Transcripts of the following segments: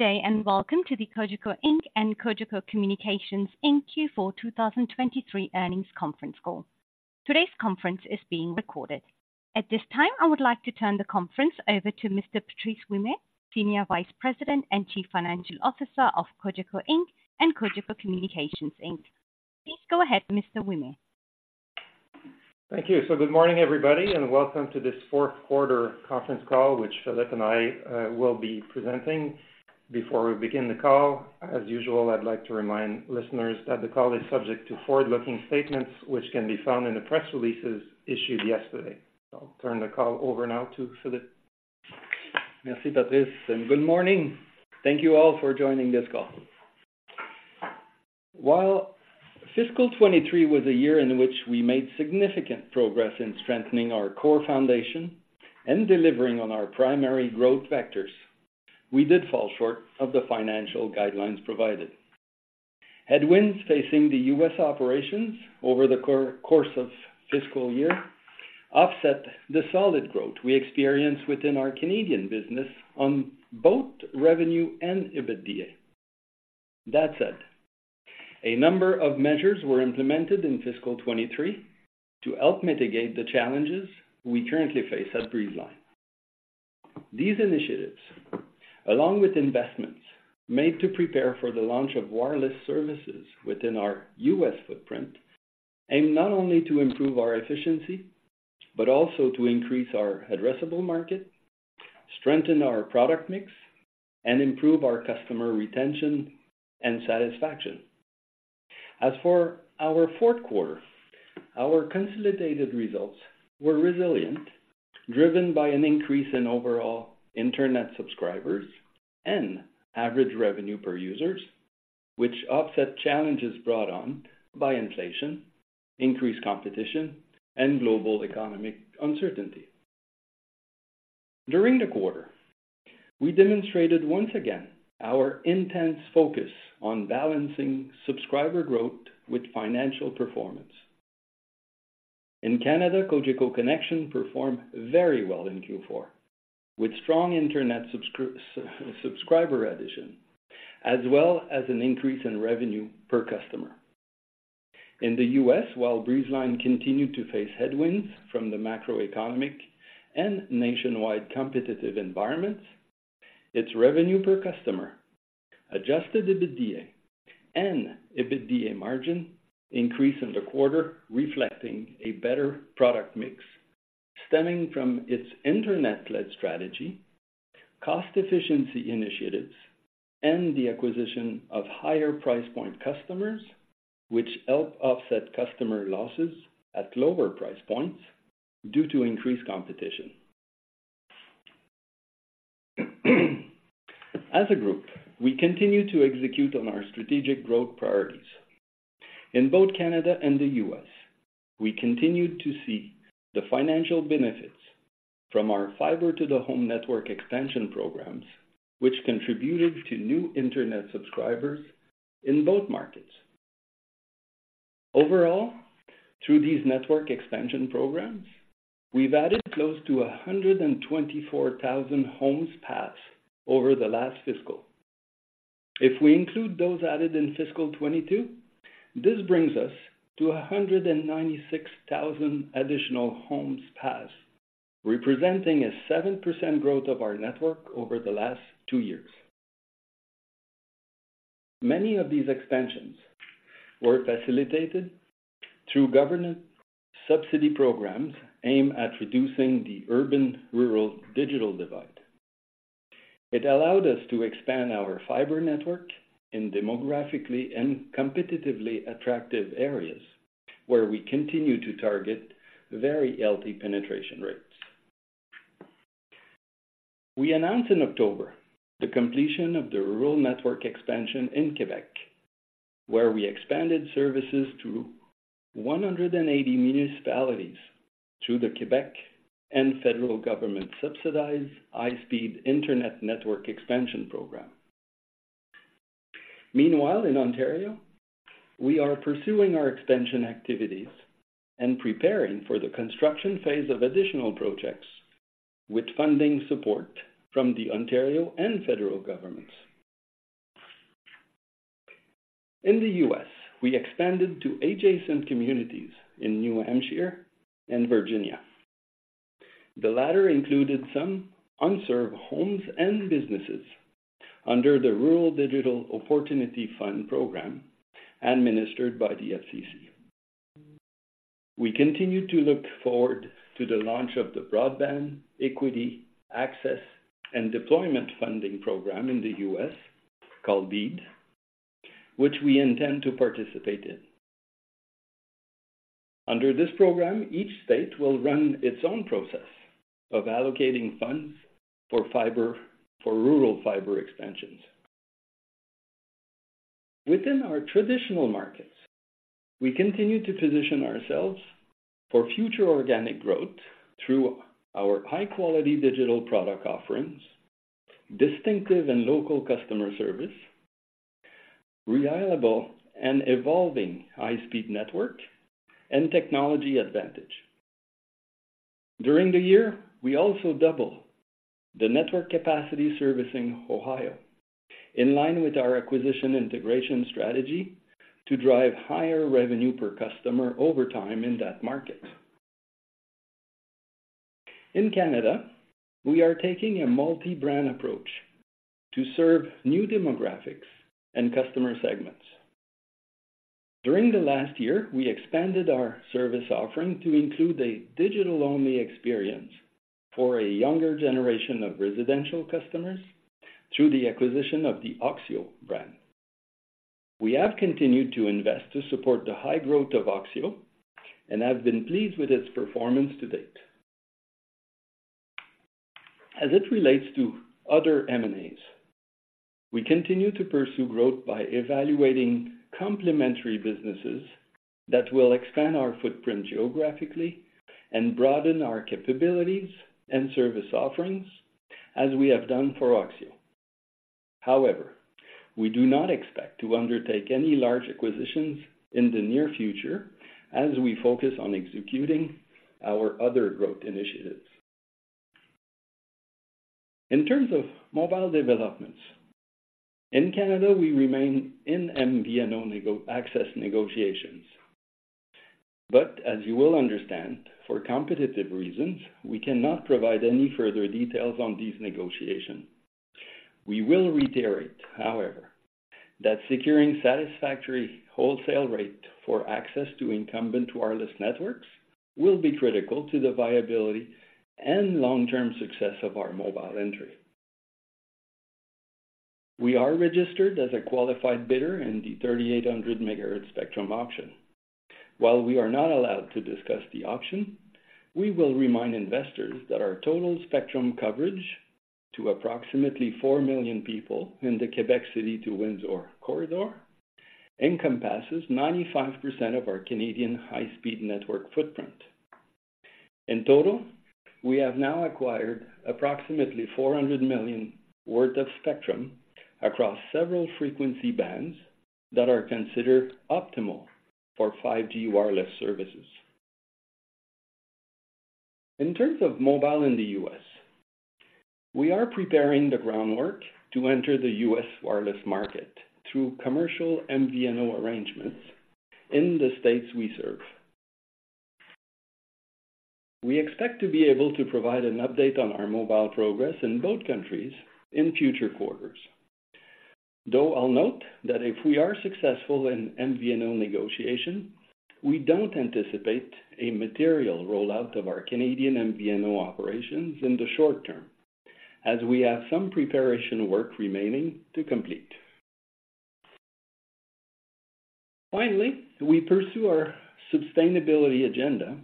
Good day, and welcome to the Cogeco Inc and Cogeco Communications Inc Q4 2023 earnings conference call. Today's conference is being recorded. At this time, I would like to turn the conference over to Mr. Patrice Ouimet, Senior Vice President and Chief Financial Officer of Cogeco Inc and Cogeco Communications Inc. Please go ahead, Mr. Ouimet. Thank you. So good morning, everybody, and welcome to this fourth quarter conference call, which Philippe and I will be presenting. Before we begin the call, as usual, I'd like to remind listeners that the call is subject to forward-looking statements, which can be found in the press releases issued yesterday. I'll turn the call over now to Philippe. Merci, Patrice, and good morning. Thank you all for joining this call. While fiscal 2023 was a year in which we made significant progress in strengthening our core foundation and delivering on our primary growth vectors, we did fall short of the financial guidelines provided. Headwinds facing the U.S. operations over the course of fiscal year offset the solid growth we experienced within our Canadian business on both revenue and EBITDA. That said, a number of measures were implemented in fiscal 2023 to help mitigate the challenges we currently face at Breezeline. These initiatives, along with investments made to prepare for the launch of wireless services within our U.S. footprint, aim not only to improve our efficiency, but also to increase our addressable market, strengthen our product mix, and improve our customer retention and satisfaction. As for our fourth quarter, our consolidated results were resilient, driven by an increase in overall internet subscribers and average revenue per users, which offset challenges brought on by inflation, increased competition, and global economic uncertainty. During the quarter, we demonstrated once again our intense focus on balancing subscriber growth with financial performance. In Canada, Cogeco Connexion performed very well in Q4, with strong internet subscriber addition, as well as an increase in revenue per customer. In the U.S., while Breezeline continued to face headwinds from the macroeconomic and nationwide competitive environments, its revenue per customer, adjusted EBITDA and EBITDA margin increased in the quarter, reflecting a better product mix stemming from its internet-led strategy, cost efficiency initiatives, and the acquisition of higher price point customers, which help offset customer losses at lower price points due to increased competition. As a group, we continue to execute on our strategic growth priorities. In both Canada and the U.S., we continued to see the financial benefits from our fiber-to-the-home network expansion programs, which contributed to new internet subscribers in both markets. Overall, through these network expansion programs, we've added close to 124,000 homes passed over the last fiscal. If we include those added in fiscal 2022, this brings us to 196,000 additional homes passed, representing a 7% growth of our network over the last two years. Many of these expansions were facilitated through government subsidy programs aimed at reducing the urban-rural digital divide. It allowed us to expand our fiber network in demographically and competitively attractive areas, where we continue to target very healthy penetration rates. We announced in October the completion of the rural network expansion in Quebec, where we expanded services to 180 municipalities through the Quebec and federal government-subsidized high-speed internet network expansion program. Meanwhile, in Ontario, we are pursuing our expansion activities and preparing for the construction phase of additional projects with funding support from the Ontario and federal governments. In the U.S., we expanded to adjacent communities in New Hampshire and Virginia. The latter included some unserved homes and businesses under the Rural Digital Opportunity Fund program, administered by the FCC. We continue to look forward to the launch of the Broadband Equity Access and Deployment funding program in the U.S., called BEAD, which we intend to participate in. Under this program, each state will run its own process of allocating funds for rural fiber expansions. Within our traditional markets, we continue to position ourselves for future organic growth through our high-quality digital product offerings, distinctive and local customer service, reliable and evolving high-speed network, and technology advantage. During the year, we also doubled the network capacity servicing Ohio, in line with our acquisition integration strategy to drive higher revenue per customer over time in that market. In Canada, we are taking a multi-brand approach to serve new demographics and customer segments. During the last year, we expanded our service offering to include a digital-only experience for a younger generation of residential customers through the acquisition of the oxio brand. We have continued to invest to support the high growth of oxio and have been pleased with its performance to date. As it relates to other M&As, we continue to pursue growth by evaluating complementary businesses that will expand our footprint geographically and broaden our capabilities and service offerings, as we have done for oxio. However, we do not expect to undertake any large acquisitions in the near future as we focus on executing our other growth initiatives. In terms of mobile developments, in Canada, we remain in MVNO negotiations. But as you will understand, for competitive reasons, we cannot provide any further details on these negotiations. We will reiterate, however, that securing satisfactory wholesale rate for access to incumbent wireless networks will be critical to the viability and long-term success of our mobile entry. We are registered as a qualified bidder in the 3,800 MHz spectrum auction. While we are not allowed to discuss the auction, we will remind investors that our total spectrum coverage to approximately 4 million people in the Quebec City to Windsor corridor encompasses 95% of our Canadian high-speed network footprint. In total, we have now acquired approximately 400 million worth of spectrum across several frequency bands that are considered optimal for 5G wireless services. In terms of mobile in the U.S., we are preparing the groundwork to enter the U.S. wireless market through commercial MVNO arrangements in the states we serve. We expect to be able to provide an update on our mobile progress in both countries in future quarters, though I'll note that if we are successful in MVNO negotiation, we don't anticipate a material rollout of our Canadian MVNO operations in the short term, as we have some preparation work remaining to complete. Finally, we pursue our sustainability agenda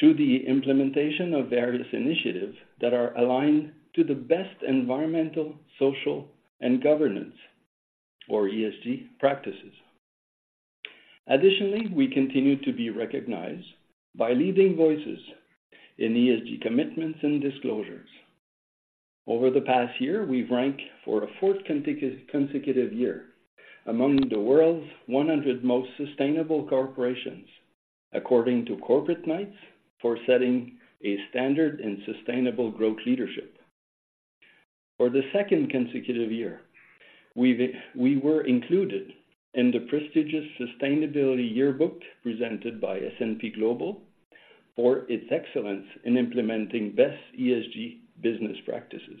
through the implementation of various initiatives that are aligned to the best environmental, social, and governance or ESG practices. Additionally, we continue to be recognized by leading voices in ESG commitments and disclosures. Over the past year, we've ranked for a fourth consecutive year among the world's 100 most sustainable corporations, according to Corporate Knights, for setting a standard in sustainable growth leadership. For the second consecutive year, we were included in the prestigious Sustainability Yearbook, presented by S&P Global, for its excellence in implementing best ESG business practices.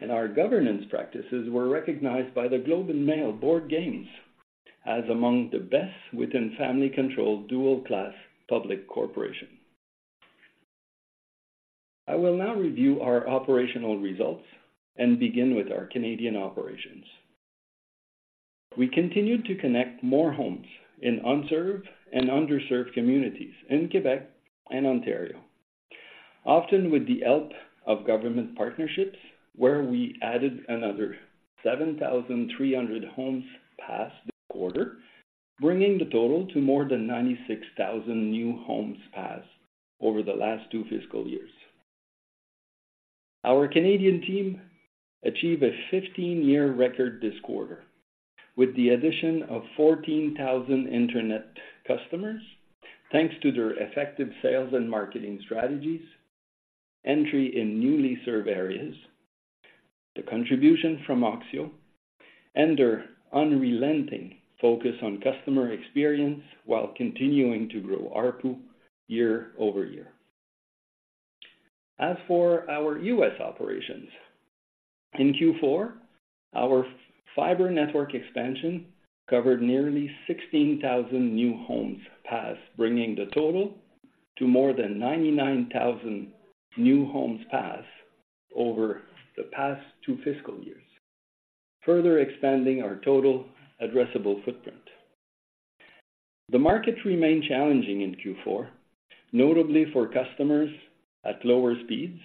And our governance practices were recognized by The Globe and Mail Board Games as among the best within family-controlled dual-class public corporation. I will now review our operational results and begin with our Canadian operations. We continued to connect more homes in unserved and underserved communities in Quebec and Ontario, often with the help of government partnerships, where we added another 7,300 homes passed this quarter, bringing the total to more than 96,000 new homes passed over the last two fiscal years. Our Canadian team achieved a 15-year record this quarter, with the addition of 14,000 Internet customers, thanks to their effective sales and marketing strategies, entry in newly served areas, the contribution from oxio, and their unrelenting focus on customer experience while continuing to grow ARPU year-over-year. As for our U.S. operations, in Q4, our fiber network expansion covered nearly 16,000 new homes passed, bringing the total to more than 99,000 new homes passed over the past two fiscal years, further expanding our total addressable footprint. The market remained challenging in Q4, notably for customers at lower speeds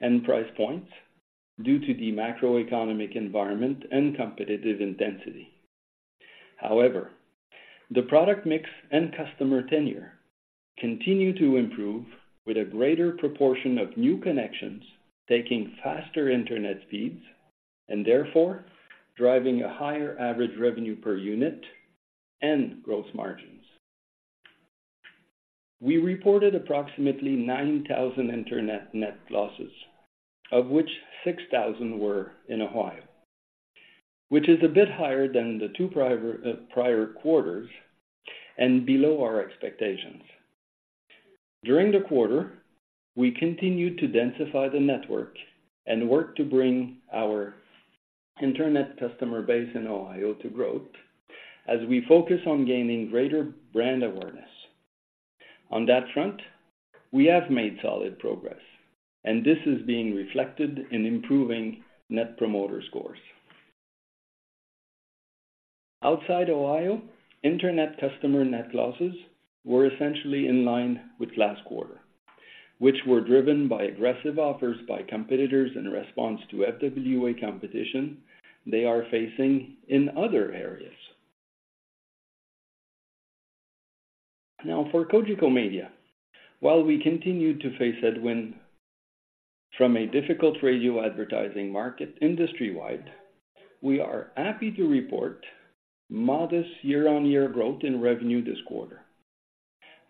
and price points due to the macroeconomic environment and competitive intensity. However, the product mix and customer tenure continued to improve, with a greater proportion of new connections taking faster Internet speeds and therefore driving a higher average revenue per unit... and gross margins. We reported approximately 9,000 Internet net losses, of which 6,000 were in Ohio, which is a bit higher than the two prior quarters and below our expectations. During the quarter, we continued to densify the network and work to bring our Internet customer base in Ohio to growth as we focus on gaining greater brand awareness. On that front, we have made solid progress, and this is being reflected in improving net promoter scores. Outside Ohio, internet customer net losses were essentially in line with last quarter, which were driven by aggressive offers by competitors in response to FWA competition they are facing in other areas. Now, for Cogeco Média, while we continue to face headwind from a difficult radio advertising market industry-wide, we are happy to report modest year-on-year growth in revenue this quarter.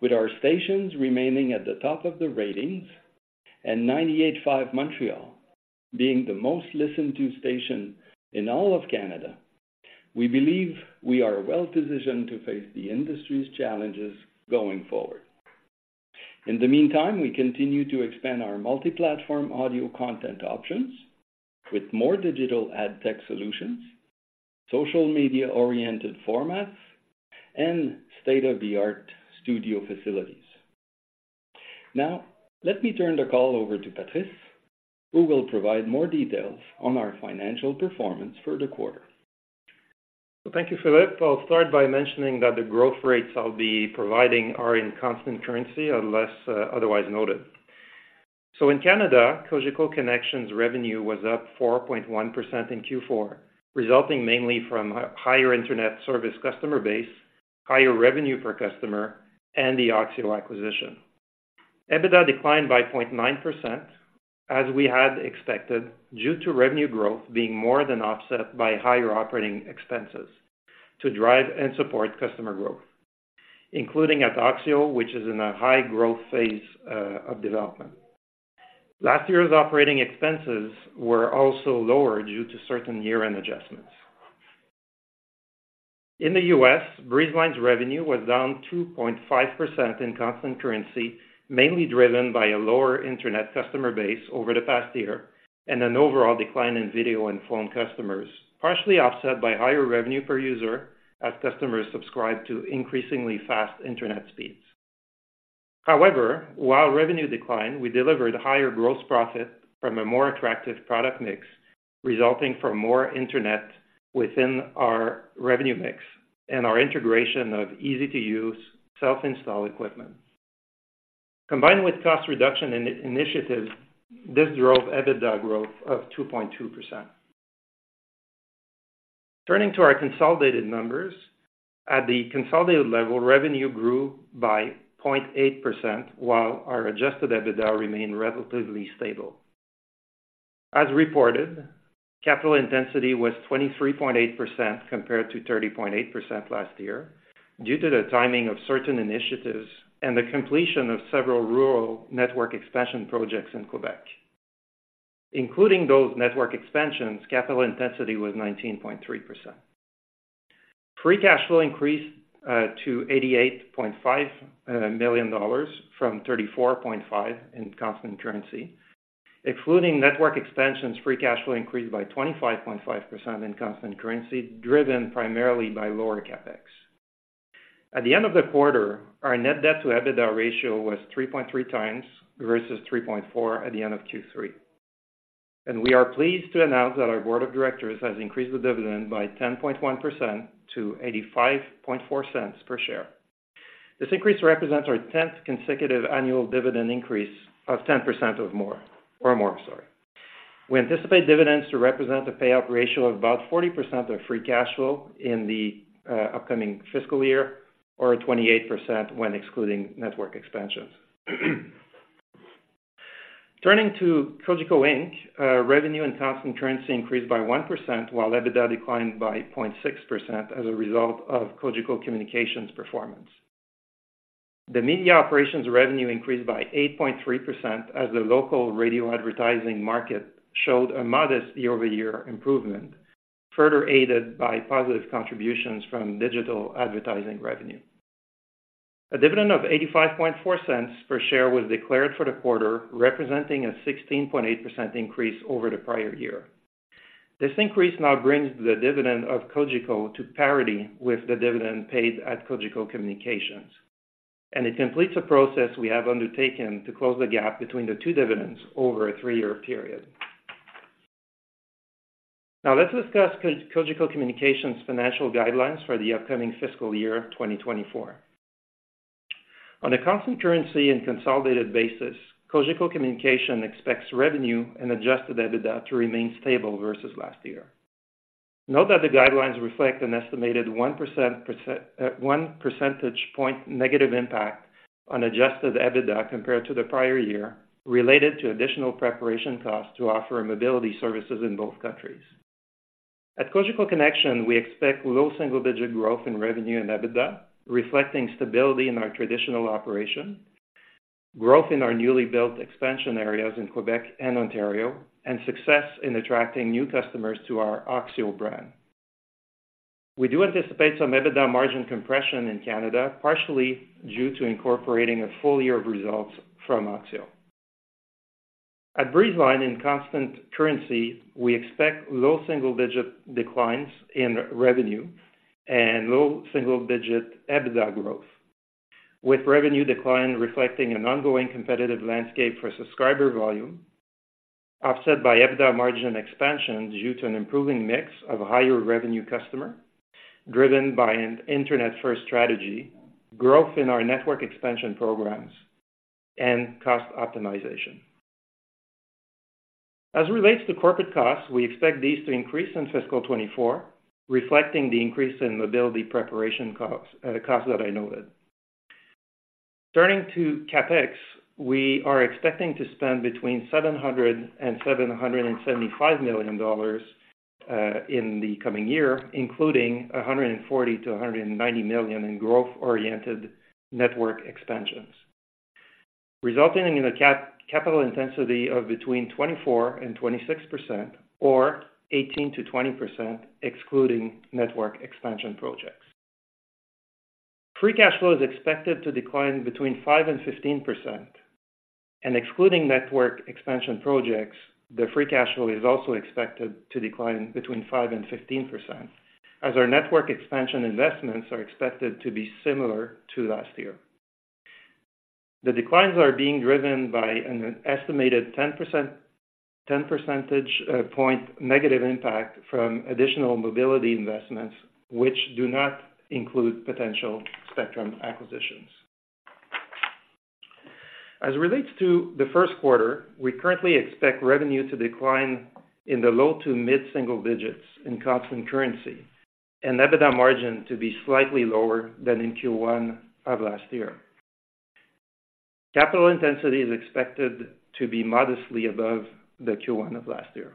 With our stations remaining at the top of the ratings and 98.5 Montréal being the most listened to station in all of Canada, we believe we are well-positioned to face the industry's challenges going forward. In the meantime, we continue to expand our multi-platform audio content options with more digital ad tech solutions, social media-oriented formats, and state-of-the-art studio facilities. Now, let me turn the call over to Patrice, who will provide more details on our financial performance for the quarter. Thank you, Philippe. I'll start by mentioning that the growth rates I'll be providing are in constant currency, unless otherwise noted. In Canada, Cogeco Connexion revenue was up 4.1% in Q4, resulting mainly from a higher internet service customer base, higher revenue per customer, and the oxio acquisition. EBITDA declined by 0.9%, as we had expected, due to revenue growth being more than offset by higher operating expenses to drive and support customer growth, including at oxio, which is in a high growth phase of development. Last year's operating expenses were also lower due to certain year-end adjustments. In the U.S., Breezeline's revenue was down 2.5% in constant currency, mainly driven by a lower internet customer base over the past year and an overall decline in video and phone customers, partially offset by higher revenue per user as customers subscribe to increasingly fast internet speeds. However, while revenue declined, we delivered higher gross profit from a more attractive product mix, resulting from more internet within our revenue mix and our integration of easy-to-use self-install equipment. Combined with cost reduction in initiatives, this drove EBITDA growth of 2.2%. Turning to our consolidated numbers. At the consolidated level, revenue grew by 0.8%, while our adjusted EBITDA remained relatively stable. As reported, capital intensity was 23.8%, compared to 30.8% last year, due to the timing of certain initiatives and the completion of several rural network expansion projects in Quebec. Including those network expansions, capital intensity was 19.3%. Free cash flow increased to 88.5 million dollars from 34.5 million in constant currency. Excluding network expansions, free cash flow increased by 25.5% in constant currency, driven primarily by lower CapEx. At the end of the quarter, our net debt to EBITDA ratio was 3.3x versus 3.4x at the end of Q3. We are pleased to announce that our board of directors has increased the dividend by 10.1% to 0.854 per share. This increase represents our tenth consecutive annual dividend increase of 10% or more, or more, sorry. We anticipate dividends to represent a payout ratio of about 40% of free cash flow in the upcoming fiscal year, or 28% when excluding network expansions. Turning to Cogeco Inc, revenue and constant currency increased by 1%, while EBITDA declined by 0.6% as a result of Cogeco Communications performance. The media operations revenue increased by 8.3% as the local radio advertising market showed a modest year-over-year improvement, further aided by positive contributions from digital advertising revenue. A dividend of 0.854 per share was declared for the quarter, representing a 16.8% increase over the prior year. This increase now brings the dividend of Cogeco to parity with the dividend paid at Cogeco Communications, and it completes a process we have undertaken to close the gap between the two dividends over a three-year period. Now, let's discuss Cogeco Communications' financial guidelines for the upcoming fiscal year 2024. On a constant currency and consolidated basis, Cogeco Communications expects revenue and adjusted EBITDA to remain stable versus last year. Note that the guidelines reflect an estimated one percentage point negative impact on adjusted EBITDA compared to the prior year, related to additional preparation costs to offer mobility services in both countries. At Cogeco Connexion, we expect low single-digit growth in revenue and EBITDA, reflecting stability in our traditional operation, growth in our newly built expansion areas in Quebec and Ontario, and success in attracting new customers to our oxio brand. We do anticipate some EBITDA margin compression in Canada, partially due to incorporating a full year of results from oxio. At Breezeline, in constant currency, we expect low single-digit declines in revenue and low single-digit EBITDA growth, with revenue decline reflecting an ongoing competitive landscape for subscriber volume, offset by EBITDA margin expansion due to an improving mix of higher revenue customer, driven by an internet-first strategy, growth in our network expansion programs, and cost optimization. As it relates to corporate costs, we expect these to increase in fiscal 2024, reflecting the increase in mobility preparation costs, costs that I noted. Turning to CapEx, we are expecting to spend between 700 million dollars and 775 million dollars in the coming year, including 140 million-190 million in growth-oriented network expansions, resulting in a capital intensity of between 24%-26%, or 18%-20%, excluding network expansion projects. Free cash flow is expected to decline between 5%-15%, and excluding network expansion projects, the free cash flow is also expected to decline between 5%-15%, as our network expansion investments are expected to be similar to last year. The declines are being driven by an estimated 10 percentage point negative impact from additional mobility investments, which do not include potential spectrum acquisitions. As it relates to the first quarter, we currently expect revenue to decline in the low to mid-single digits in constant currency, and EBITDA margin to be slightly lower than in Q1 of last year. Capital intensity is expected to be modestly above the Q1 of last year.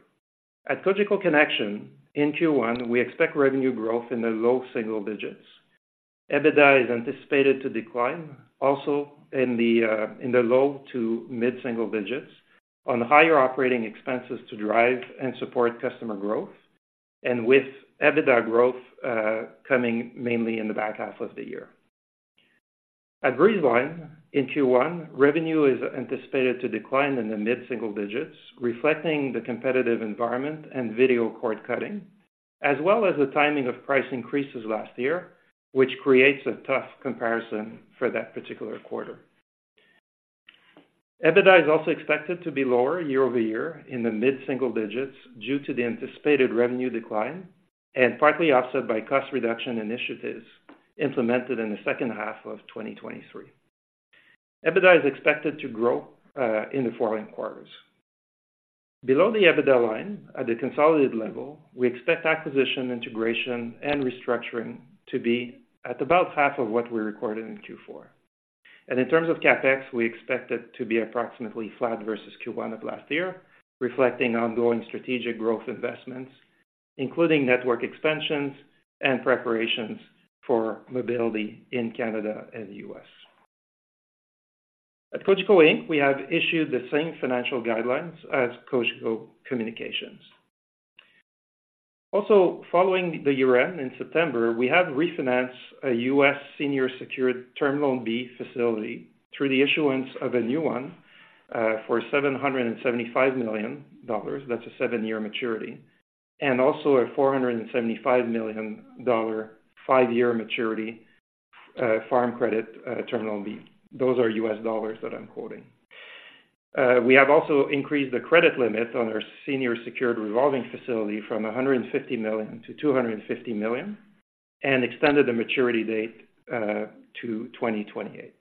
At Cogeco Connexion, in Q1, we expect revenue growth in the low single digits. EBITDA is anticipated to decline also in the low to mid-single digits, on higher operating expenses to drive and support customer growth, and with EBITDA growth coming mainly in the back half of the year. At Breezeline, in Q1, revenue is anticipated to decline in the mid-single digits, reflecting the competitive environment and video cord cutting, as well as the timing of price increases last year, which creates a tough comparison for that particular quarter. EBITDA is also expected to be lower year-over-year in the mid-single digits due to the anticipated revenue decline, and partly offset by cost reduction initiatives implemented in the second half of 2023. EBITDA is expected to grow in the following quarters. Below the EBITDA line, at the consolidated level, we expect acquisition, integration, and restructuring to be at about half of what we recorded in Q4. In terms of CapEx, we expect it to be approximately flat versus Q1 of last year, reflecting ongoing strategic growth investments, including network expansions and preparations for mobility in Canada and the U.S. At Cogeco Inc, we have issued the same financial guidelines as Cogeco Communications. Also, following the year-end in September, we have refinanced a U.S. senior secured Term Loan B Facility through the issuance of a new one for $775 million. That's a seven-year maturity, and also a $475 million five-year maturity, Farm Credit, Term Loan B. Those are U.S. dollars that I'm quoting. We have also increased the credit limit on our senior secured revolving facility from 150 million-250 million, and extended the maturity date to 2028.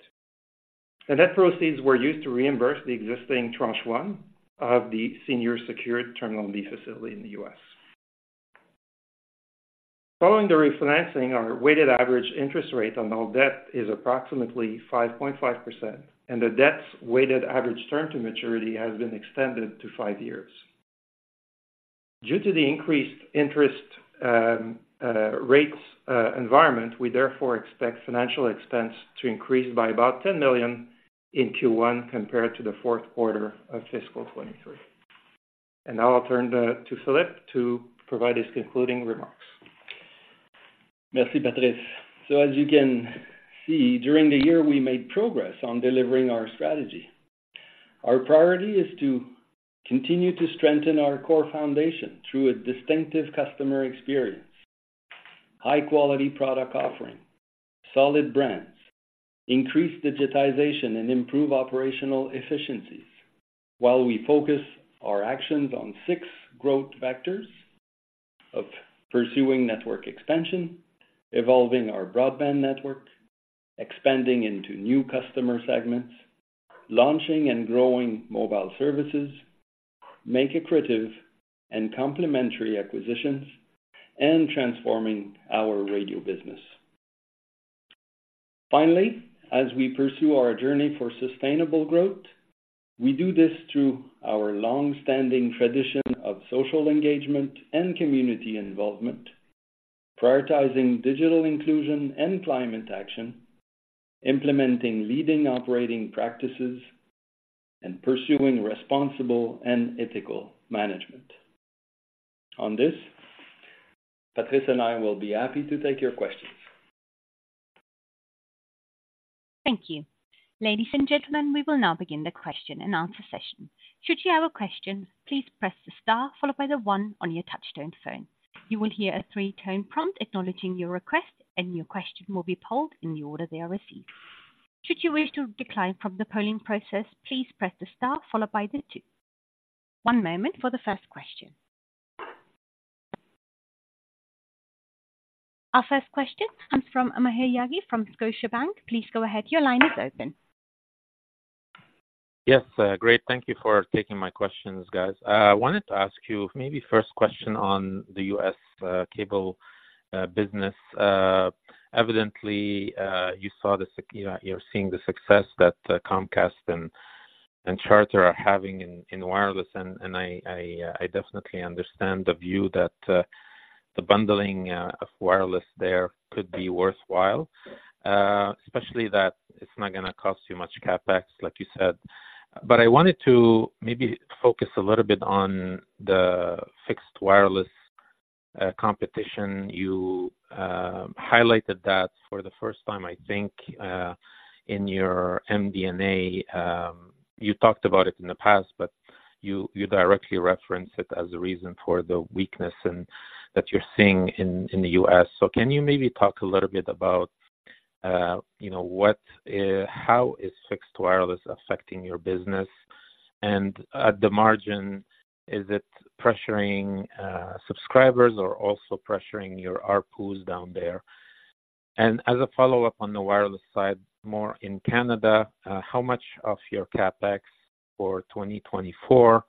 That proceeds were used to reimburse the existing tranche one of the senior secured Term Loan B Facility in the U.S. Following the refinancing, our weighted average interest rate on all debt is approximately 5.5%, and the debt's weighted average term to maturity has been extended to five years. Due to the increased interest rates environment, we therefore expect financial expense to increase by about 10 million in Q1 compared to the fourth quarter of fiscal 2023. Now I'll turn to Philippe to provide his concluding remarks. Merci, Patrice. So as you can see, during the year, we made progress on delivering our strategy. Our priority is to continue to strengthen our core foundation through a distinctive customer experience, high-quality product offering, solid brands, increase digitization, and improve operational efficiencies, while we focus our actions on six growth vectors of pursuing network expansion, evolving our broadband network, expanding into new customer segments, launching and growing mobile services, make accretive and complementary acquisitions, and transforming our radio business. Finally, as we pursue our journey for sustainable growth, we do this through our long-standing tradition of social engagement and community involvement, prioritizing digital inclusion and climate action, implementing leading operating practices, and pursuing responsible and ethical management. On this, Patrice and I will be happy to take your questions. Thank you. Ladies and gentlemen, we will now begin the question-and-answer session. Should you have a question, please press the star followed by the one on your touchtone phone. You will hear a three-tone prompt acknowledging your request, and your question will be polled in the order they are received. Should you wish to decline from the polling process, please press the star followed by the two. One moment for the first question. Our first question comes from Maher Yaghi from Scotiabank. Please go ahead. Your line is open. Yes, great. Thank you for taking my questions, guys. I wanted to ask you, maybe first question on the U.S. cable business. Evidently, you're seeing the success that Comcast and Charter are having in wireless, and I definitely understand the view that the bundling of wireless there could be worthwhile, especially that it's not gonna cost you much CapEx, like you said. But I wanted to maybe focus a little bit on the fixed wireless competition. You highlighted that for the first time, I think, in your MD&A. You talked about it in the past, but you directly referenced it as a reason for the weakness and that you're seeing in the U.S. So can you maybe talk a little bit about, you know, what, how is fixed wireless affecting your business? And at the margin, is it pressuring subscribers or also pressuring your ARPUs down there? And as a follow-up on the wireless side, more in Canada, how much of your CapEx for 2024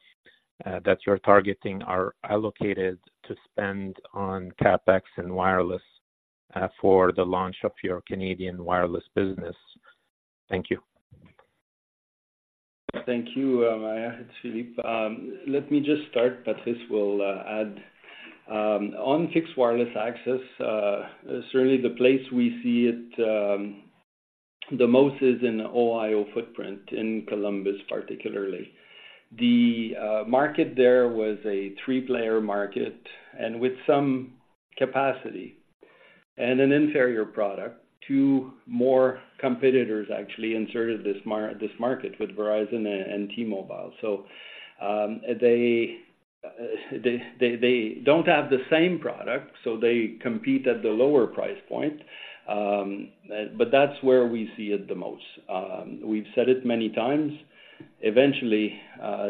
that you're targeting are allocated to spend on CapEx and wireless for the launch of your Canadian wireless business? Thank you. Thank you, Maher. It's Philippe. Let me just start, Patrice will add. On fixed wireless access, certainly the place we see it the most is in the Ohio footprint, in Columbus, particularly. The market there was a three-player market, and with some capacity and an inferior product, two more competitors actually entered this market with Verizon and T-Mobile. So, they don't have the same product, so they compete at the lower price point. But that's where we see it the most. We've said it many times. Eventually,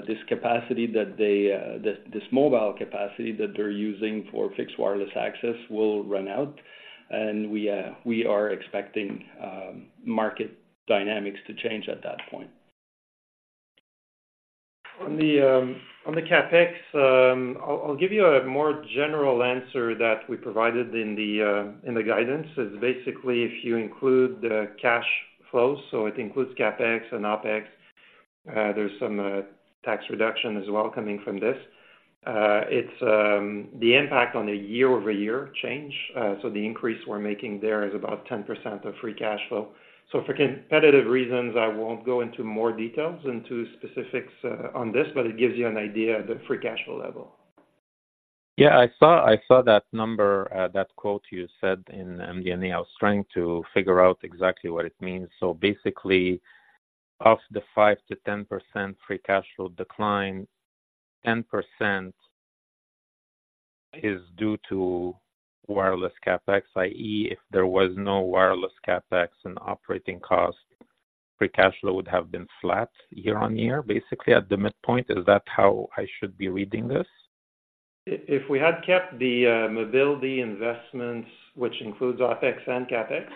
this capacity that they, this mobile capacity that they're using for fixed wireless access will run out, and we are expecting market dynamics to change at that point. On the, on the CapEx, I'll give you a more general answer that we provided in the, in the guidance. It is basically, if you include the cash flows, so it includes CapEx and OpEx, there's some tax reduction as well coming from this. It's the impact on a year-over-year change, so the increase we're making there is about 10% of free cash flow. So for competitive reasons, I won't go into more details, into specifics, on this, but it gives you an idea of the free cash flow level. Yeah, I saw, I saw that number, that quote you said in MD&A. I was trying to figure out exactly what it means. So basically, of the 5%-10% free cash flow decline, 10% is due to wireless CapEx, i.e., if there was no wireless CapEx and operating costs, free cash flow would have been flat year-on-year, basically at the midpoint. Is that how I should be reading this? If we had kept the mobility investments, which includes OpEx and CapEx,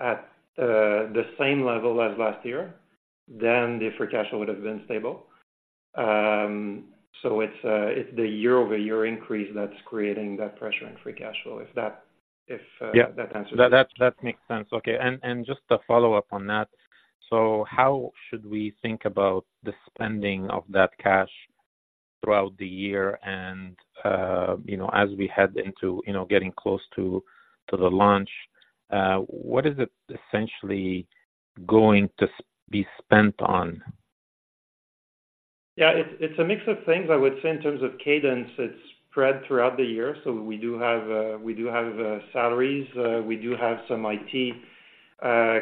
at the same level as last year, then the free cash flow would have been stable. So it's the year-over-year increase that's creating that pressure on free cash flow, if that answers- Yeah. That, that makes sense. Okay, and just a follow-up on that: so how should we think about the spending of that cash throughout the year? And, you know, as we head into, you know, getting close to, to the launch, what is it essentially going to be spent on? Yeah, it's a mix of things. I would say in terms of cadence, it's spread throughout the year, so we do have salaries, we do have some IT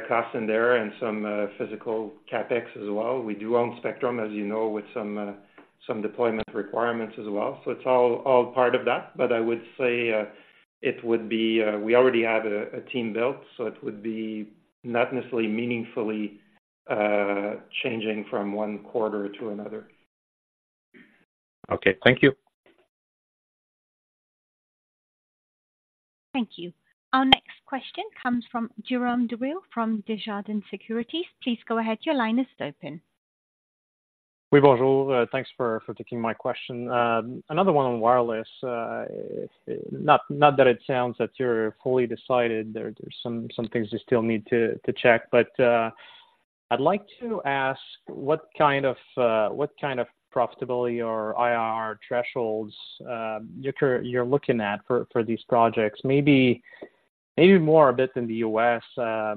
costs in there and some physical CapEx as well. We do own spectrum, as you know, with some deployment requirements as well. So it's all part of that. But I would say it would be... We already have a team built, so it would be not necessarily meaningfully changing from one quarter to another. Okay. Thank you.... Thank you. Our next question comes from Jérome Dubreuil from Desjardins Securities. Please go ahead. Your line is open. Oui, bonjour. Thanks for taking my question. Another one on wireless. Not that it sounds that you're fully decided. There's some things you still need to check. But, I'd like to ask, what kind of profitability or IRR thresholds you're looking at for these projects? Maybe more a bit in the U.S. I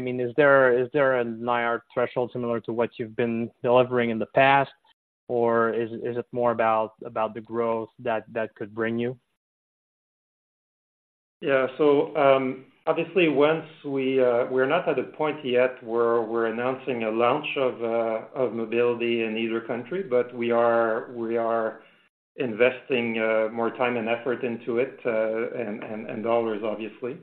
mean, is there an IRR threshold similar to what you've been delivering in the past? Or is it more about the growth that could bring you? Yeah. So, obviously, once we... We're not at a point yet where we're announcing a launch of mobility in either country, but we are investing more time and effort into it, and dollars, obviously.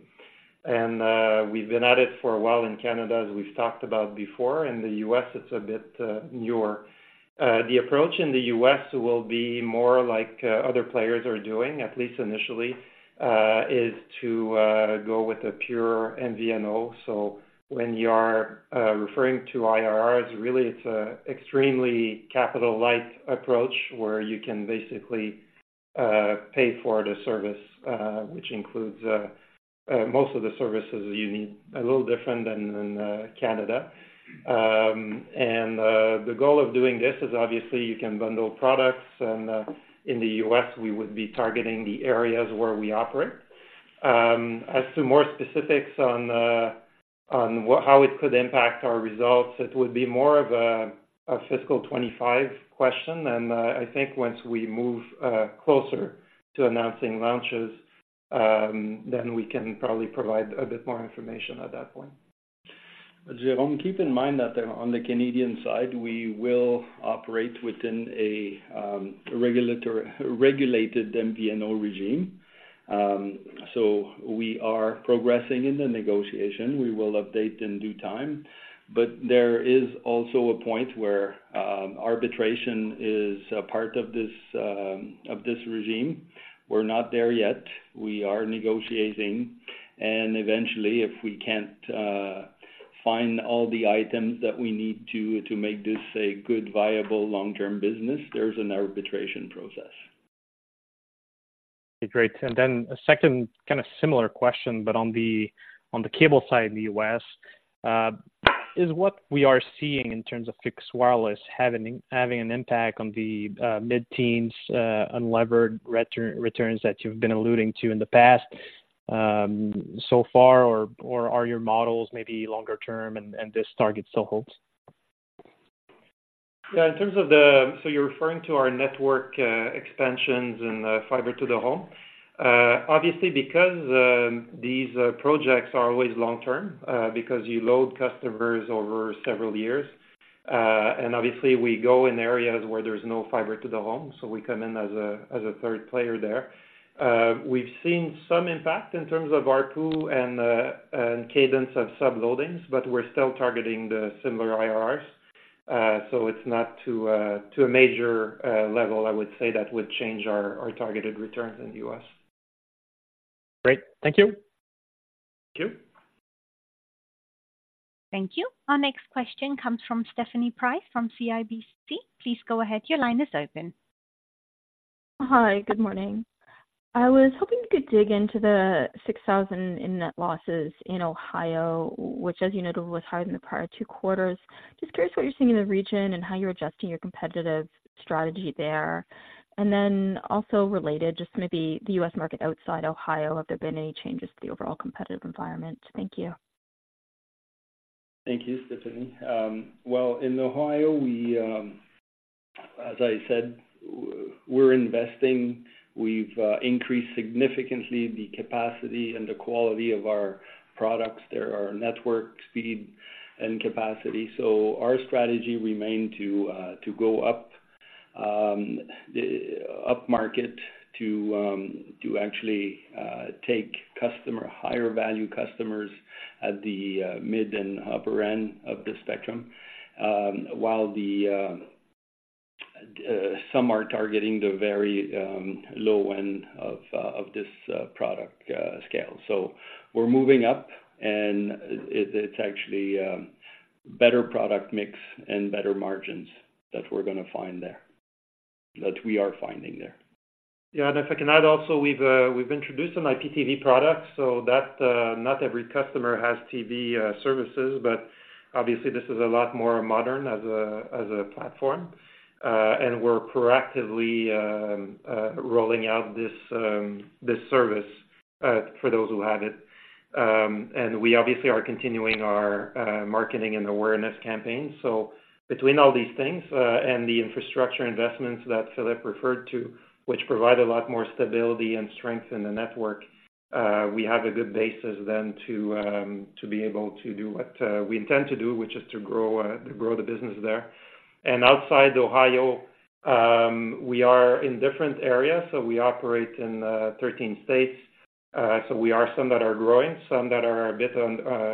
We've been at it for a while in Canada, as we've talked about before. In the U.S., it's a bit newer. The approach in the U.S. will be more like other players are doing, at least initially, is to go with a pure MVNO. So when you are referring to IRRs, really, it's an extremely capital-light approach, where you can basically pay for the service, which includes most of the services you need, a little different than in Canada. The goal of doing this is obviously you can bundle products, and in the U.S., we would be targeting the areas where we operate. As to more specifics on what- how it could impact our results, it would be more of a fiscal 2025 question. I think once we move closer to announcing launches, then we can probably provide a bit more information at that point. Jérome, keep in mind that on the Canadian side, we will operate within a regulatory, regulated MVNO regime. So we are progressing in the negotiation. We will update in due time. But there is also a point where arbitration is a part of this regime. We're not there yet. We are negotiating, and eventually, if we can't find all the items that we need to make this a good, viable long-term business, there's an arbitration process. Great. And then a second kind of similar question, but on the, on the cable side in the U.S. Is what we are seeing in terms of fixed wireless having an impact on the mid-teens unlevered return, returns that you've been alluding to in the past, so far? Or are your models maybe longer term and this target still holds? Yeah, in terms of, so you're referring to our network expansions and fiber to the home. Obviously, because these projects are always long term, because you load customers over several years, and obviously we go in areas where there's no fiber to the home, so we come in as a third player there. We've seen some impact in terms of ARPU and cadence of sub loadings, but we're still targeting the similar IRRs. So it's not to a major level, I would say, that would change our targeted returns in the U.S. Great. Thank you. Thank you. Thank you. Our next question comes from Stephanie Price from CIBC. Please go ahead. Your line is open. Hi. Good morning. I was hoping you could dig into the $6,000 in net losses in Ohio, which, as you noted, was higher than the prior two quarters. Just curious what you're seeing in the region and how you're adjusting your competitive strategy there. And then also related, just maybe the U.S. market outside Ohio, have there been any changes to the overall competitive environment? Thank you. Thank you, Stephanie. Well, in Ohio, we, as I said, we're investing. We've increased significantly the capacity and the quality of our products. There are network speed and capacity. So our strategy remain to go up the upmarket, to actually take customer higher-value customers at the mid and upper end of the spectrum. While the some are targeting the very low end of of this product scale. So we're moving up, and it, it's actually better product mix and better margins that we're gonna find there, that we are finding there. Yeah, and if I can add also, we've introduced an IPTV product, so that not every customer has TV services, but obviously this is a lot more modern as a platform. And we're proactively rolling out this service for those who have it. And we obviously are continuing our marketing and awareness campaign. So between all these things and the infrastructure investments that Philippe referred to, which provide a lot more stability and strength in the network, we have a good basis then to be able to do what we intend to do, which is to grow the business there. And outside Ohio-... We are in different areas, so we operate in 13 states. So we are some that are growing, some that are a bit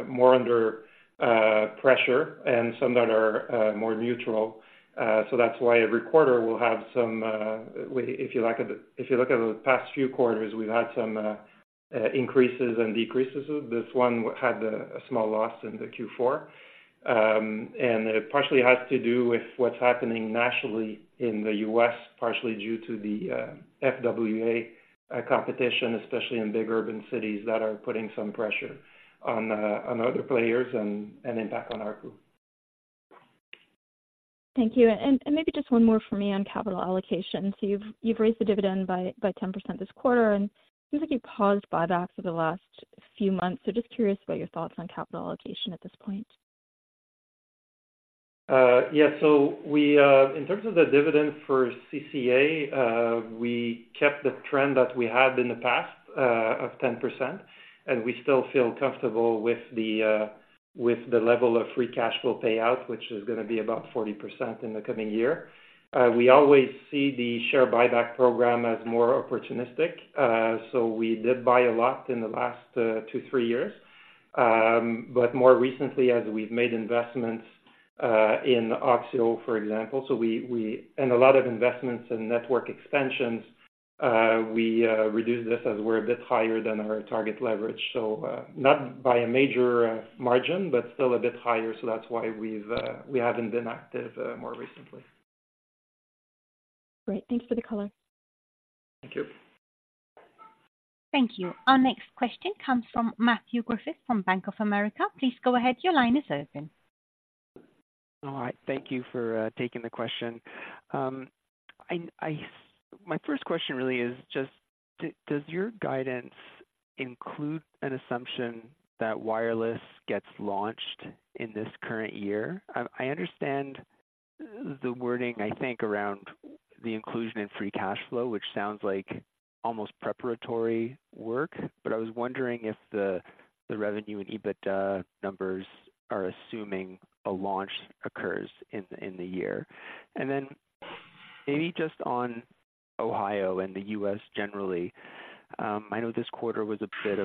more under pressure, and some that are more neutral. So that's why every quarter we'll have some, if you like, if you look at the past few quarters, we've had some increases and decreases. This one had a small loss in the Q4. And it partially has to do with what's happening nationally in the U.S., partially due to the FWA competition, especially in big urban cities that are putting some pressure on other players and impact on our group. Thank you. And maybe just one more for me on capital allocation. So you've raised the dividend by 10% this quarter, and seems like you paused buyback for the last few months. So just curious about your thoughts on capital allocation at this point. Yeah. So we in terms of the dividend for CCA, we kept the trend that we had in the past of 10%, and we still feel comfortable with the level of free cash flow payout, which is gonna be about 40% in the coming year. We always see the share buyback program as more opportunistic. So we did buy a lot in the last two to three years. But more recently, as we've made investments in oxio, for example, and a lot of investments in network expansions, we reduced this as we're a bit higher than our target leverage. So not by a major margin, but still a bit higher. So that's why we haven't been active more recently. Great. Thanks for the color. Thank you. Thank you. Our next question comes from Matthew Griffiths, from Bank of America. Please go ahead. Your line is open. All right. Thank you for taking the question. My first question really is just, does your guidance include an assumption that wireless gets launched in this current year? I understand the wording, I think, around the inclusion in free cash flow, which sounds like almost preparatory work, but I was wondering if the revenue and EBITDA numbers are assuming a launch occurs in the year. And then maybe just on Ohio and the U.S. generally, I know this quarter was a bit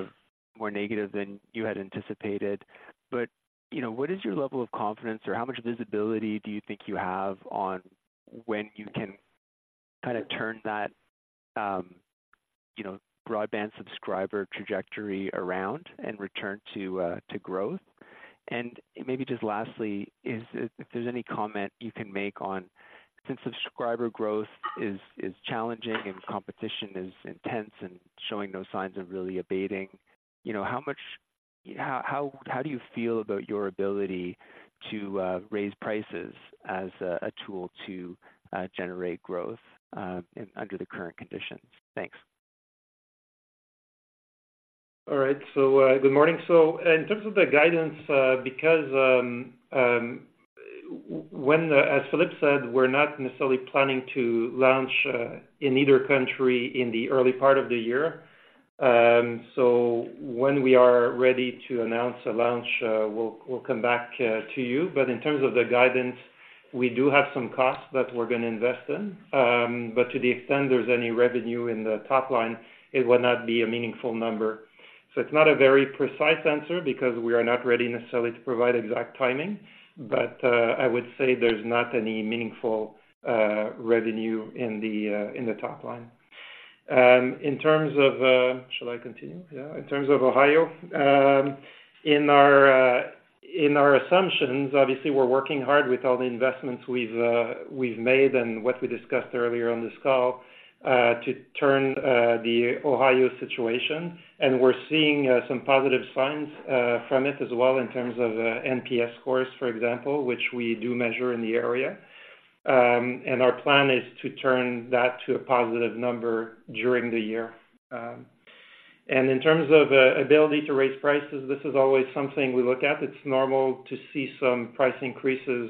more negative than you had anticipated, but, you know, what is your level of confidence, or how much visibility do you think you have on when you can kind of turn that, you know, broadband subscriber trajectory around and return to growth? Maybe just lastly, if there's any comment you can make on, since subscriber growth is challenging and competition is intense and showing no signs of really abating, you know, how do you feel about your ability to raise prices as a tool to generate growth under the current conditions? Thanks. All right. So, good morning. So in terms of the guidance, because, when, as Philippe said, we're not necessarily planning to launch in either country in the early part of the year. So when we are ready to announce a launch, we'll, we'll come back to you. But in terms of the guidance, we do have some costs that we're gonna invest in. But to the extent there's any revenue in the top line, it would not be a meaningful number. So it's not a very precise answer because we are not ready necessarily to provide exact timing, but, I would say there's not any meaningful revenue in the top line. In terms of... Shall I continue? Yeah. In terms of Ohio, in our assumptions, obviously, we're working hard with all the investments we've made and what we discussed earlier on this call to turn the Ohio situation. We're seeing some positive signs from it as well, in terms of NPS scores, for example, which we do measure in the area. Our plan is to turn that to a positive number during the year. In terms of ability to raise prices, this is always something we look at. It's normal to see some price increases,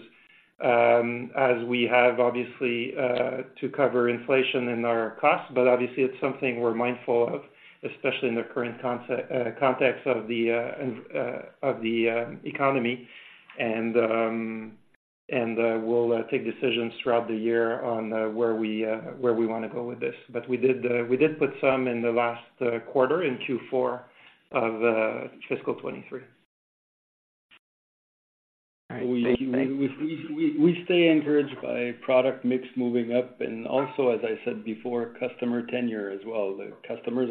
as we have obviously to cover inflation in our costs. But obviously it's something we're mindful of, especially in the current context of the economy. And we'll take decisions throughout the year on where we wanna go with this. But we did put some in the last quarter in Q4 of fiscal 2023. All right. Thanks. We stay encouraged by product mix moving up, and also, as I said before, customer tenure as well. The customers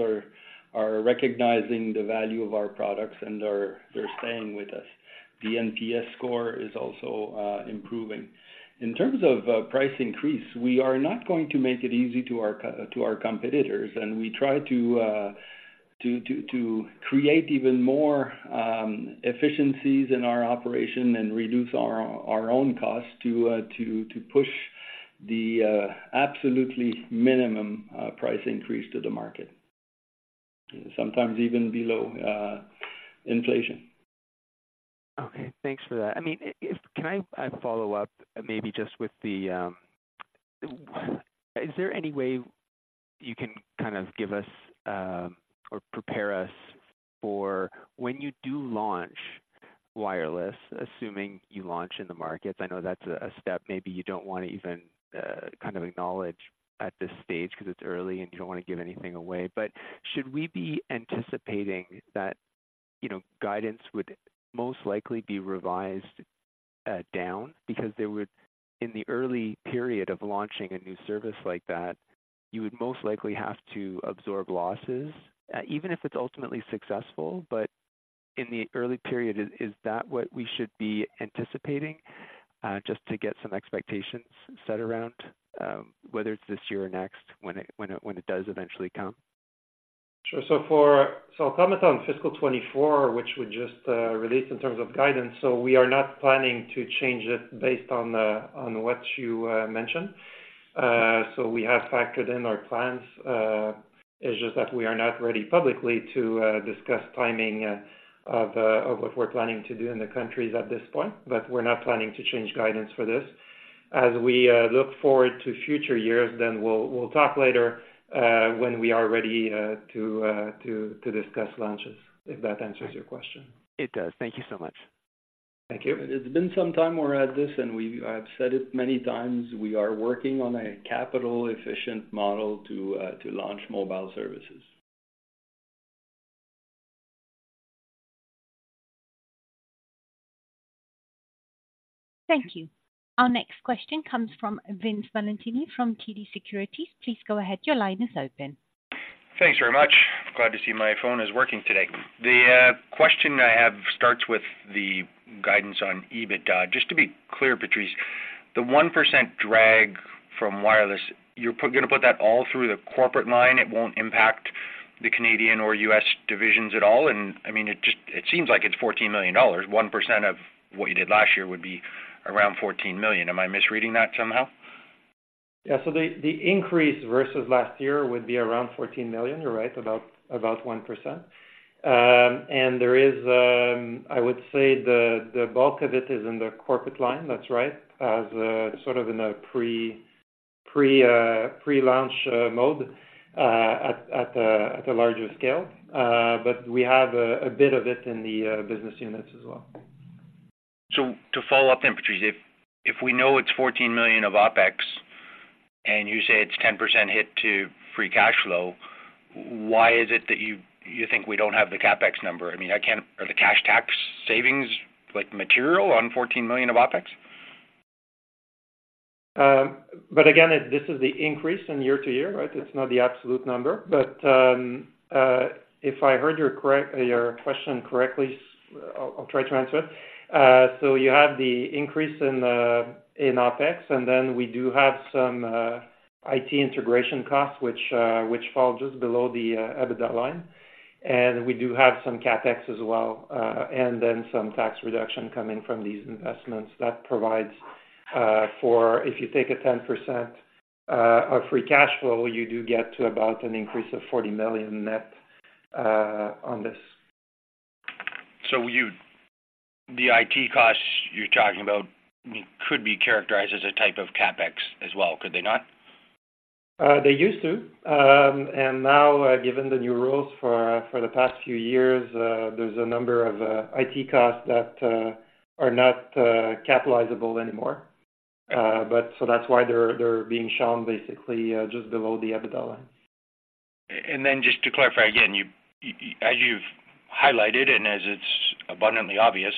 are recognizing the value of our products and are, they're staying with us. The NPS score is also improving. In terms of price increase, we are not going to make it easy to our competitors, and we try to create even more efficiencies in our operation and reduce our own costs to push the absolutely minimum price increase to the market. Sometimes even below inflation. Okay, thanks for that. I mean, Can I follow up maybe just with the... Is there any way you can kind of give us or prepare us for when you do launch wireless, assuming you launch in the markets. I know that's a step maybe you don't want to even kind of acknowledge at this stage because it's early and you don't want to give anything away. But should we be anticipating that, you know, guidance would most likely be revised down? Because there would, in the early period of launching a new service like that, you would most likely have to absorb losses even if it's ultimately successful. But in the early period, is that what we should be anticipating? Just to get some expectations set around whether it's this year or next, when it does eventually come. Sure. So I'll comment on fiscal 2024, which we just released in terms of guidance. So we are not planning to change it based on what you mentioned. So we have factored in our plans. It's just that we are not ready publicly to discuss timing of what we're planning to do in the countries at this point. But we're not planning to change guidance for this. As we look forward to future years, then we'll talk later when we are ready to discuss launches, if that answers your question. It does. Thank you so much. Thank you. It's been some time we're at this, and we've... I've said it many times, we are working on a capital-efficient model to, to launch mobile services. Thank you. Our next question comes from Vince Valentini, from TD Securities. Please go ahead. Your line is open. Thanks very much. Glad to see my phone is working today. The question I have starts with the guidance on EBITDA. Just to be clear, Patrice, the 1% drag from wireless, you're gonna put that all through the corporate line, it won't impact the Canadian or US divisions at all? And, I mean, it just... It seems like it's 14 million dollars. One percent of what you did last year would be around 14 million. Am I misreading that somehow? Yeah, so the increase versus last year would be around 14 million. You're right, about 1%. And there is, I would say the bulk of it is in the corporate line. That's right. As sort of in a pre-launch mode at a larger scale. But we have a bit of it in the business units as well. So to follow up then, Patrice, if we know it's 14 million of OpEx, and you say it's 10% hit to free cash flow, why is it that you think we don't have the CapEx number? I mean, I can't... Are the cash tax savings, like, material on 14 million of OpEx? But again, this is the increase in year-over-year, right? It's not the absolute number. But, if I heard you correctly, your question correctly, I'll try to answer it. So you have the increase in OpEx, and then we do have some IT integration costs, which fall just below the EBITDA line, and we do have some CapEx as well, and then some tax reduction coming from these investments. That provides for if you take a 10% of free cash flow, you do get to about an increase of 40 million net on this. The IT costs you're talking about could be characterized as a type of CapEx as well, could they not? They used to. Now, given the new rules for the past few years, there's a number of IT costs that are not capitalizable anymore. So that's why they're being shown basically just below the EBITDA line. And then just to clarify again, you as you've highlighted, and as it's abundantly obvious,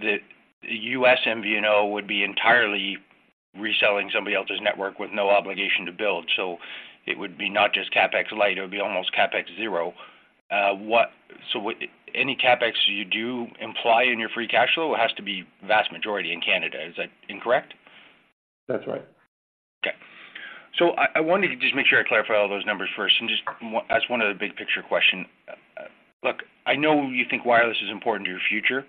that the U.S. MVNO would be entirely reselling somebody else's network with no obligation to build. So it would be not just CapEx light, it would be almost CapEx zero. So what, any CapEx you do imply in your free cash flow has to be vast majority in Canada. Is that incorrect? That's right. Okay. So I wanted to just make sure I clarify all those numbers first and just ask one other big picture question. Look, I know you think wireless is important to your future,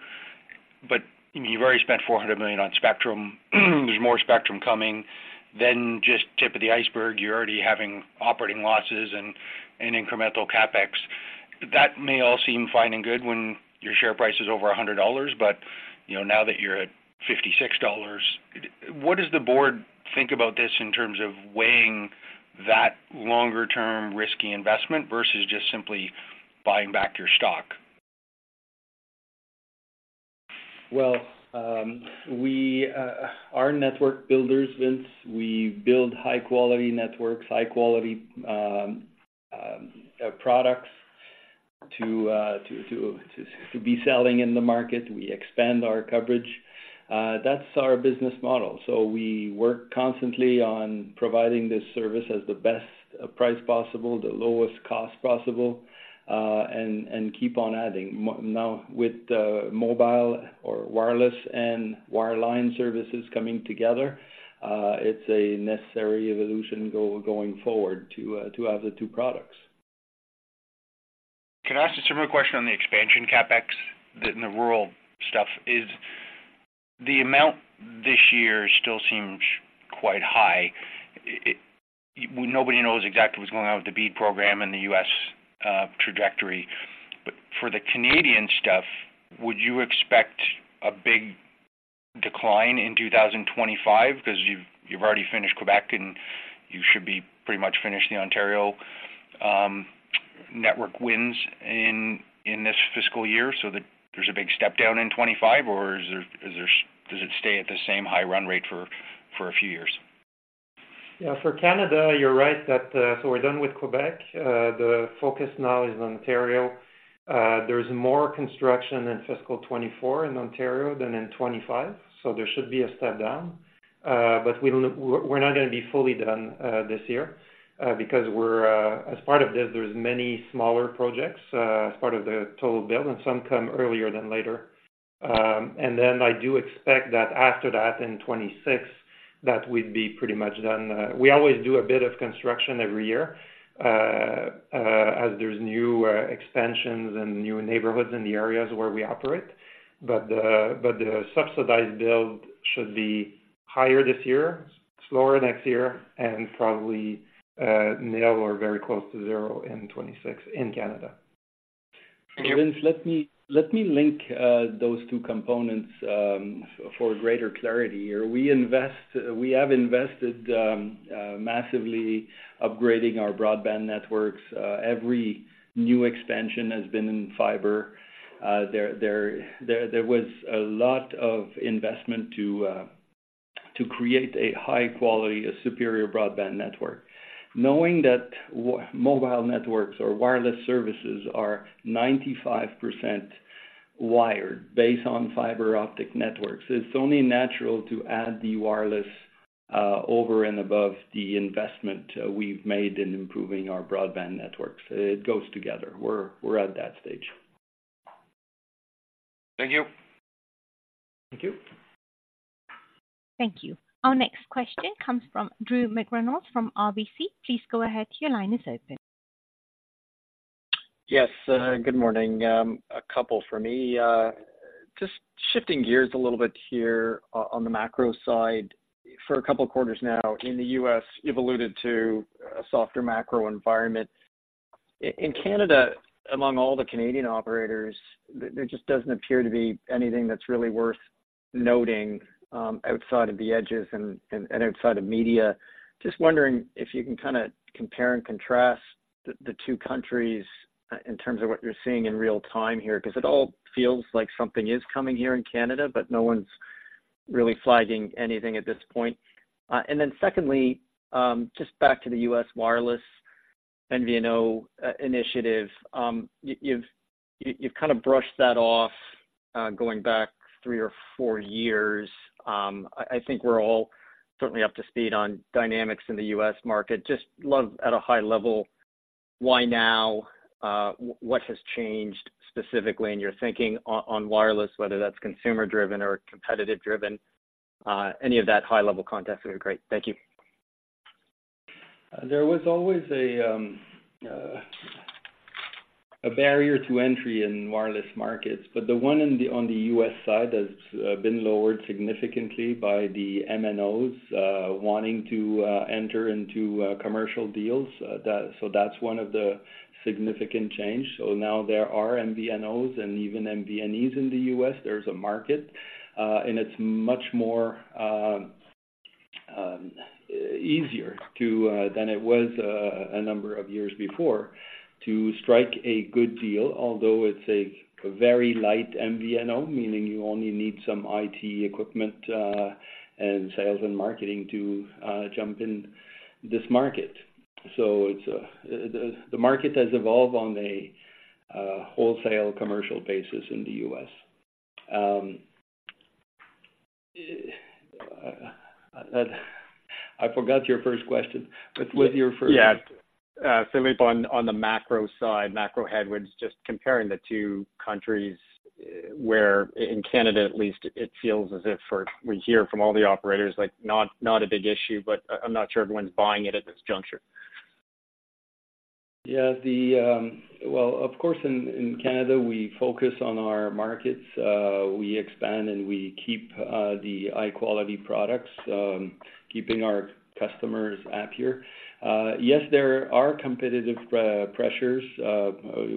but you've already spent 400 million on spectrum. There's more spectrum coming than just tip of the iceberg. You're already having operating losses and incremental CapEx. That may all seem fine and good when your share price is over 100 dollars, but, you know, now that you're at 56 dollars, what does the board think about this in terms of weighing that longer-term risky investment versus just simply buying back your stock? Well, we are network builders, Vince. We build high-quality networks, high quality products to be selling in the market. We expand our coverage. That's our business model. So we work constantly on providing this service at the best price possible, the lowest cost possible, and keep on adding. Now, with mobile or wireless and wireline services coming together, it's a necessary evolution going forward to have the two products. Can I ask a similar question on the expansion CapEx in the rural stuff? Is the amount this year still quite high? Well, nobody knows exactly what's going on with the BEAD program in the U.S. trajectory. But for the Canadian stuff, would you expect a big decline in 2025, because you've already finished Quebec, and you should be pretty much finished the Ontario network wins in this fiscal year, so that there's a big step down in 2025, or is there, does it stay at the same high run rate for a few years? Yeah, for Canada, you're right, so we're done with Quebec. The focus now is on Ontario. There's more construction in fiscal 2024 in Ontario than in 2025, so there should be a step down. But we don't, we're not going to be fully done this year, because we're, as part of this, there's many smaller projects as part of the total build, and some come earlier than later. And then I do expect that after that, in 2026, that we'd be pretty much done. We always do a bit of construction every year as there's new expansions and new neighborhoods in the areas where we operate. But the subsidized build should be higher this year, slower next year, and probably nil or very close to zero in 2026 in Canada. Thank you. Vince, let me link those two components for greater clarity here. We have invested massively upgrading our broadband networks. Every new expansion has been in fiber. There was a lot of investment to create a high quality, a superior broadband network. Knowing that mobile networks or wireless services are 95% wired based on fiber optic networks, it's only natural to add the wireless over and above the investment we've made in improving our broadband networks. It goes together. We're at that stage. Thank you. Thank you. Thank you. Our next question comes from Drew McReynolds, from RBC. Please go ahead. Your line is open. Yes, good morning. A couple for me. Just shifting gears a little bit here on the macro side. For a couple of quarters now, in the U.S., you've alluded to a softer macro environment. In Canada, among all the Canadian operators, there just doesn't appear to be anything that's really worth noting, outside of the edges and outside of media. Just wondering if you can kinda compare and contrast the two countries in terms of what you're seeing in real time here, because it all feels like something is coming here in Canada, but no one's really flagging anything at this point. And then secondly, just back to the U.S. wireless MVNO initiative. You've kind of brushed that off, going back three or four years. I think we're all certainly up to speed on dynamics in the U.S. market. Just love at a high level, why now? What has changed specifically in your thinking on wireless, whether that's consumer-driven or competitive-driven? Any of that high-level context would be great. Thank you. There was always a barrier to entry in wireless markets, but the one on the U.S. side has been lowered significantly by the MNOs wanting to enter into commercial deals. So that's one of the significant change. So now there are MVNOs and even MVNEs in the U.S. There's a market, and it's much more easier to than it was a number of years before, to strike a good deal, although it's a very light MVNO, meaning you only need some IT equipment and sales and marketing to jump in this market. So it's the market has evolved on a wholesale commercial basis in the U.S. I forgot your first question. What was your first? Yeah. Philippe, on the macro side, macro headwinds, just comparing the two countries, where in Canada at least, it feels as if we're, we hear from all the operators, like, not a big issue, but I'm not sure everyone's buying it at this juncture. Yeah, Well, of course, in Canada, we focus on our markets. We expand, and we keep the high-quality products, keeping our customers happier. Yes, there are competitive pressures.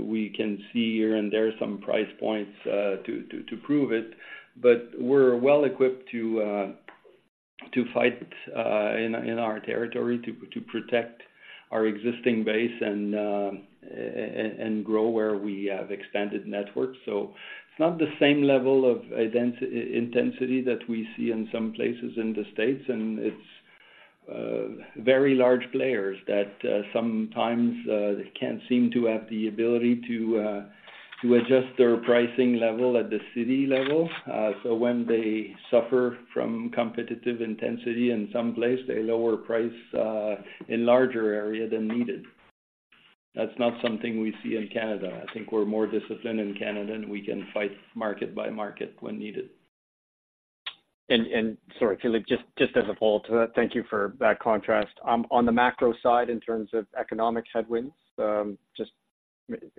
We can see here and there some price points to prove it, but we're well equipped to fight in our territory, to protect our existing base and grow where we have expanded networks. So it's not the same level of intensity that we see in some places in the States, and it's very large players that sometimes they can't seem to have the ability to adjust their pricing level at the city level. So when they suffer from competitive intensity in some place, they lower price in larger area than needed. That's not something we see in Canada. I think we're more disciplined in Canada, and we can fight market by market when needed. Sorry, Philippe, just as a follow to that. Thank you for that contrast. On the macro side, in terms of economic headwinds, just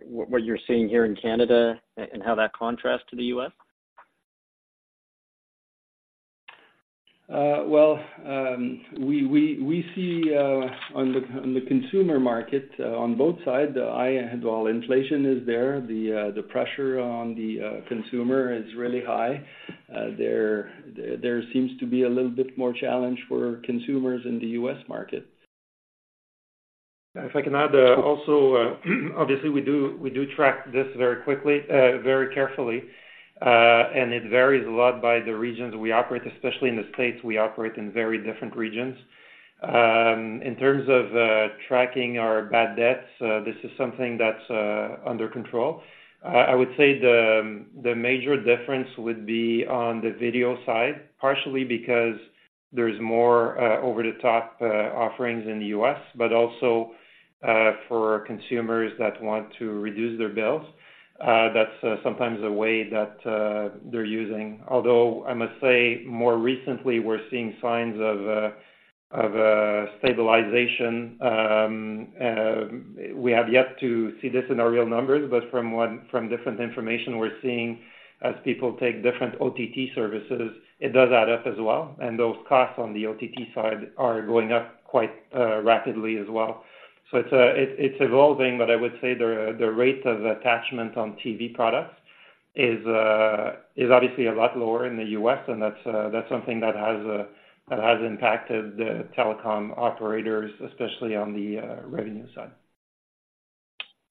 what you're seeing here in Canada and how that contrasts to the U.S.? Well, we see on the consumer market on both sides, the high, well, inflation is there. The pressure on the consumer is really high. There seems to be a little bit more challenge for consumers in the U.S. market. If I can add, also, obviously, we do, we do track this very quickly, very carefully, and it varies a lot by the regions we operate, especially in the States, we operate in very different regions. In terms of tracking our bad debts, this is something that's under control. I would say the major difference would be on the video side, partially because there's more over-the-top offerings in the U.S., but also for consumers that want to reduce their bills. That's sometimes a way that they're using. Although, I must say, more recently, we're seeing signs of stabilization. We have yet to see this in our real numbers, but from different information we're seeing, as people take different OTT services, it does add up as well, and those costs on the OTT side are going up quite rapidly as well. So it's evolving, but I would say the rate of attachment on TV products is obviously a lot lower in the U.S., and that's something that has impacted the telecom operators, especially on the revenue side.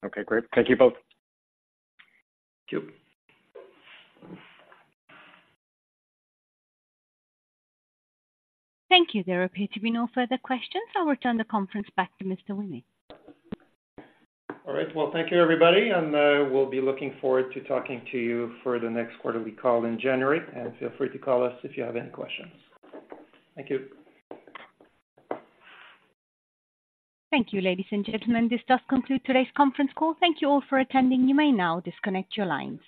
Okay, great. Thank you both. Thank you. Thank you. There appear to be no further questions. I'll return the conference back to Mr. Ouimet. All right. Well, thank you, everybody, and we'll be looking forward to talking to you for the next quarterly call in January, and feel free to call us if you have any questions. Thank you. Thank you, ladies and gentlemen. This does conclude today's conference call. Thank you all for attending. You may now disconnect your lines.